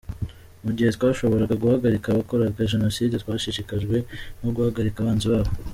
Mu gihe twashoboraga guhagarika abakoraga Jenoside, twashishikajwe no guhagarika abanzi babo.